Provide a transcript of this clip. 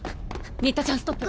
新田ちゃんストップ。